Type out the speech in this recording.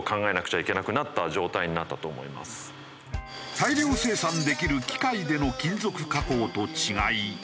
大量生産できる機械での金属加工と違い